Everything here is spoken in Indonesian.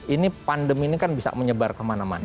ini pandemi ini kan bisa menyebar kemana mana